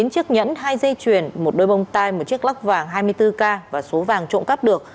chín chiếc nhẫn hai dây chuyền một đôi bông tai một chiếc lắc vàng hai mươi bốn k và số vàng trộm cắp được